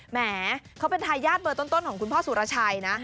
แหมเขาเป็นทายาทเบอร์ต้นของคุณพ่อสุรชัยนะ